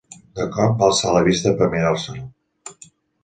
De cop, va alçar la vista per mirar-se'l.